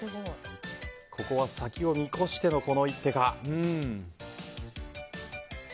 ここは先を見越しての一手か。